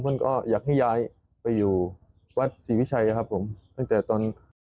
เพื่อนก็อยากให้ย้ายไปอยู่วัดศรีวิชัยครับผมตั้งแต่ตอน